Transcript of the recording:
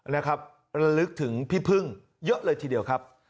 ระลึกถึงพี่พึ่งเยอะเลยทีเดียวครับ